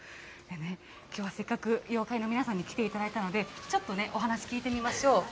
きょうは、せっかく妖怪の皆さんに来ていただいたので、ちょっとね、お話聞いてみましょう。